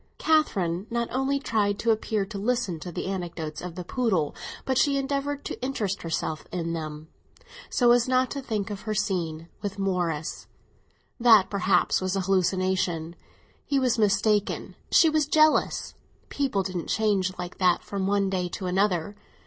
Catherine not only tried to appear to listen to the anecdotes of the poodle, but she endeavoured to interest herself in them, so as not to think of her scene with Morris. That perhaps was an hallucination; he was mistaken, she was jealous; people didn't change like that from one day to another.